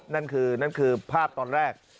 นั่นคือภาพตอนแรก